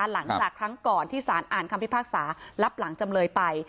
หลังจากครั้งก่อนที่สารอ่านคำพิพากษารับหลังจำเลยไป